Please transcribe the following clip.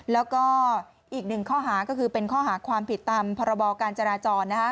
แล้วก็อีกหนึ่งข้อหาก็คือเป็นข้อหาความผิดตามพรบการจราจร